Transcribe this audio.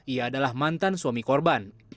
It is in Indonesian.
ia adalah mantan suami korban